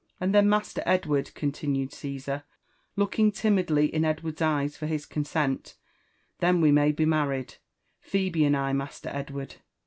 —< 'And then , Master Edward, '' continued Cesar, looking timidly in Edward's eyes for ^is consent — "then we may be married — Phebe and I, Master Edward